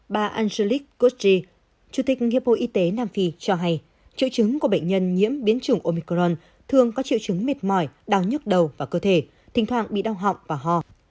bà angelis koschi chủ tịch hiệp hội y tế nam phi cho hay triệu chứng của bệnh nhân nhiễm biến chủng omicron thường có triệu chứng mệt mỏi đau nhức đầu và cơ thể thỉnh thoảng bị đau họng và ho